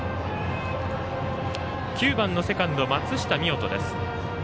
９番のセカンド松下水音です。